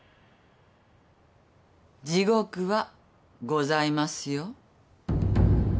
地獄はございますよ。